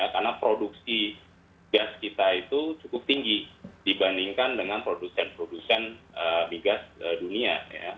karena produksi gas kita itu cukup tinggi dibandingkan dengan produsen produsen migas dunia